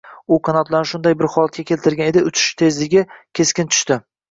U qanotlarini shunday bir holatga keltirgan edi, uchish tezligi keskin tushdi